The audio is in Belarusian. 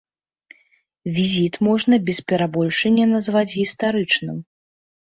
Візіт можна без перабольшання назваць гістарычным.